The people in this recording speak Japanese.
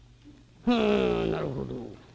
「ふんなるほど。